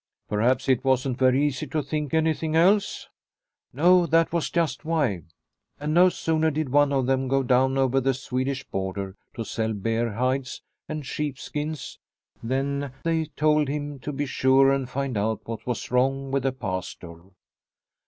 " Perhaps it wasn't very easy to think any thing else ?" No, that was just why. And no sooner did one of them go down over the Swedish border to sell bear hides and sheep skins than they told him to be sure and find out what was wrong with the Pastor.